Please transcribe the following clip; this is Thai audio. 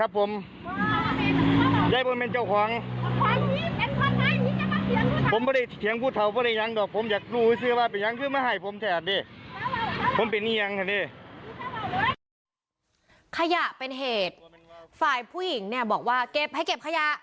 ฝ่ายผู้หญิงเนี่ยบอกว่าเก็บให้เก็บขยะ